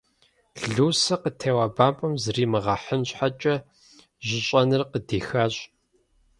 Лусэ, къытеуа бампӀэм зримыгъэхьын щхьэкӀэ, жьыщӀэныр къыдихащ.